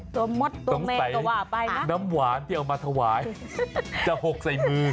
มดตัวเม็ดก็ว่าไปนะน้ำหวานที่เอามาถวายจะหกใส่มือ